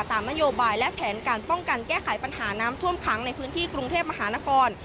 ตามนโยบายและแผนการป้องกันแก้ไขปัญหาน้ำท่วมขังในพื้นที่กรุงเทพมหานคร